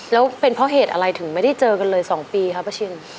แล้วเพราะเหตุอะไรถึงไม่ได้เจอกันเลยสองปีคะป๊าชิ้น